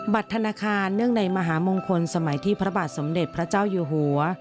ธนาคารเนื่องในมหามงคลสมัยที่พระบาทสมเด็จพระเจ้าอยู่หัว